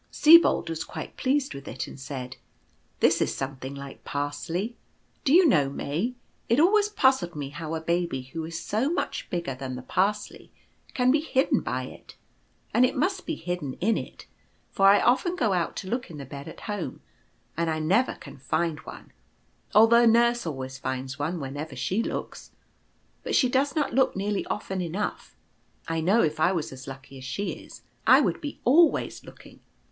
Sibold was quite pleased with it, and said, " This is something like Parsley. Do you know, May, it always puzzled me how a Baby who is so much bigger than the Parsley can be hidden by it ; and it must be hidden in it, , /jiffy* *$£ 4&& > for I often go out to look in the bed at home, and I never can find one, although nurse always finds one when ever she looks. But she does not look nearly often enough. I know if I was as lucky as she is, I would be always looking."